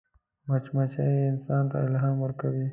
مچمچۍ انسان ته الهام ورکوي